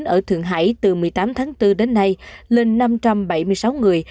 ở thượng hải từ một mươi tám tháng bốn đến nay lên năm trăm bảy mươi sáu người